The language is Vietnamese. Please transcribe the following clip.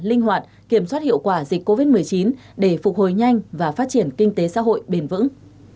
linh hoạt kiểm soát hiệu quả dịch covid một mươi chín để phục hồi nhanh và phát triển kinh tế xã hội bền vững